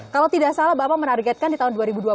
kalau tidak salah bapak menargetkan di tahun dua ribu dua puluh